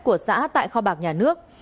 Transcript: của xã tại kho bạc nhà nước